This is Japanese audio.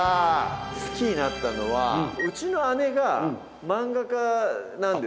好きになったのはうちの姉が漫画家なんですよ。